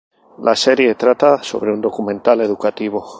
La serie trata sobre un documental educativo.